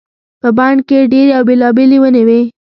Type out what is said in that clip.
په بڼ کې ډېرې او بېلابېلې ونې وي.